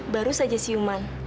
baru saja siuman